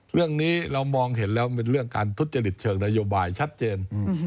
เรื่องนี้เรามองเห็นแล้วเป็นเรื่องการทุจริตเชิงนโยบายชัดเจน